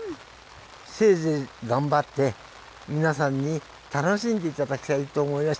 せいぜい頑張って、皆さんに楽しんでいただきたいと思います。